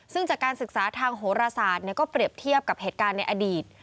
ซึ่งจากการศึกษาทางโหรศาสตร์ก็เปรียบเทียบกับเหตุการณ์ในอดีต